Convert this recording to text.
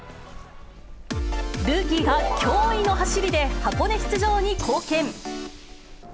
ルーキーが驚異の走りで箱根出場に貢献。